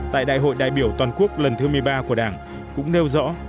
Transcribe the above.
tại đại hội đại biểu toàn quốc lần thứ một mươi ba của đảng cũng nêu rõ